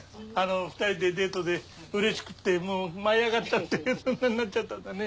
２人でデートで嬉しくってもう舞い上がっちゃってそんなになっちゃったんだね。